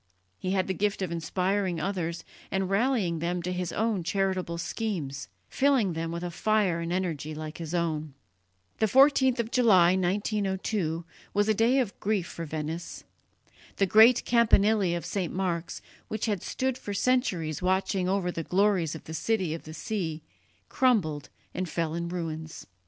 He had the gift of inspiring others and rallying them to his own charitable schemes, filling them with a fire and energy like his own. The 14th of July, 1902, was a day of grief for Venice. The great campanile of St. Mark's, which had stood for centuries watching over the glories of the City of the Sea, crumbled and fell in ruins.